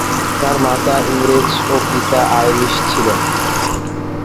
তার মাতা ইংরেজ ও পিতা আইরিশ ছিলেন।